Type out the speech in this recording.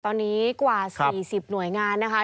ตอนนี้กว่า๔๐หน่วยงานนะคะ